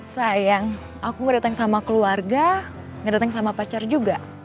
sayang aku gak datang sama keluarga gak datang sama pacar juga